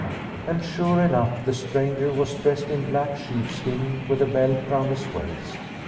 And sure enough the stranger was dressed in black sheepskin with a belt round his waist.